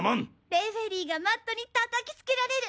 レフェリーがマットに叩きつけられる。